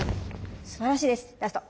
すばらしいですラスト。